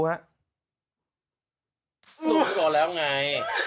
ตัวนี้ก็แล้วไง